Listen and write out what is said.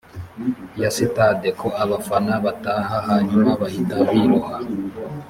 ya sitade ko abafana bataha hanyuma bahita biroha